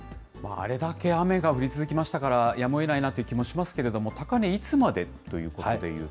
あれだけ雨が降り続きましたから、やむをえないなという気がしますけれども、高値いつまでというこ